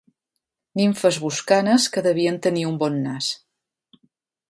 Nimfes boscanes que devien tenir un bon nas.